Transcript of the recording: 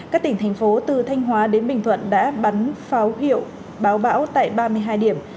các tỉnh thành phố từ thanh hóa đến bình thuận đã bắn pháo hiệu báo bão tại ba mươi hai điểm